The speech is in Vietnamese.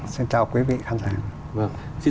xin chào quý vị khán giả